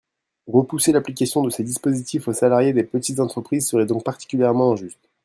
Repousser l’application de ces dispositifs aux salariés des petites entreprises serait donc particulièrement injuste.